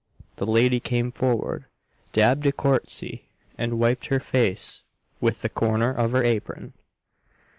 The lady came forward, dabbed a court'sy, and wiped her face with the corner of her apron.